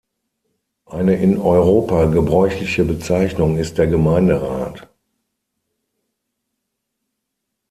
Eine in Europa gebräuchliche Bezeichnung ist der Gemeinderat.